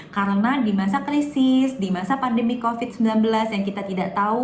karena di masa krisis di masa pandemi covid sembilan belas yang kita tidak tahu